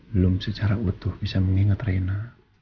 belum secara utuh bisa mengingat reina